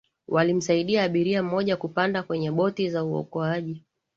walimsaidia abiria mmoja kupanda kwenye boti za uokoaji